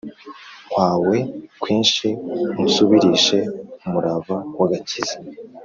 kwawe kwinshi Unsubirishe umurava w agakiza